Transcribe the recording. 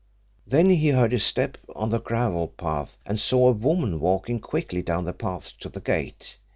Then he heard a step on the gravel path and saw a woman walking quickly down the path to the gate.